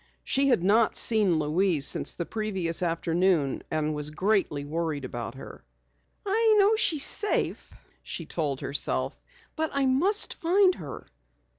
She had not seen Louise since the previous afternoon and was greatly worried about her. "I know she's safe," she told herself. "But I must find her."